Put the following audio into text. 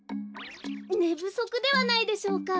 ねぶそくではないでしょうか？